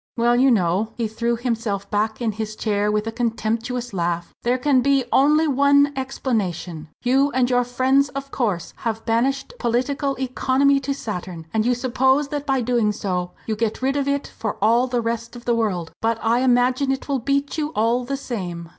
Well, you know," he threw himself back in his chair with a contemptuous laugh, "there can be only one explanation. You and your friends, of course, have banished political economy to Saturn and you suppose that by doing so you get rid of it for all the rest of the world. But I imagine it will beat you, all the same!"